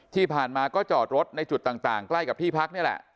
ที่ผ่านมาก็จอดรถในจุดต่างใกล้กับที่พักนี่แหละ